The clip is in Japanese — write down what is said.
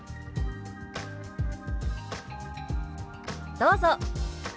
どうぞ。